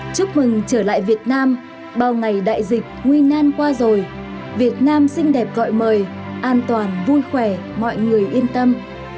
chúc mừng trở lại việt nam bao ngày đại dịch nguy nan qua rồi việt nam xinh đẹp gọi mời an toàn vui khỏe mọi người yên tâm